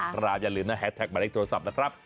ครับอย่าลืมนะแฮดแท็กเมล็ดโทรศัพท์นะครับ